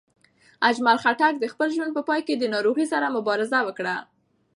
اجمل خټک د خپل ژوند په پای کې د ناروغۍ سره مبارزه وکړه.